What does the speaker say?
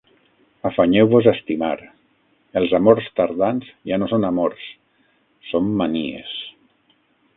Afanyeu-vos a estimar. Els amors tardans ja no són amors: són manies.